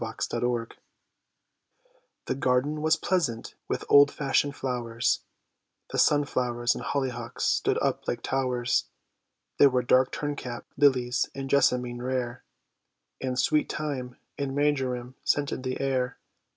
THE LAVENDER BEDS The garden was pleasant with old fashioned flowers, The sunflowers and hollyhocks stood up like towers; There were dark turncap lilies and jessamine rare, And sweet thyme and marjoram scented the air.